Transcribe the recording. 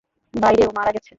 ভাইরে, ও মারা গেছে!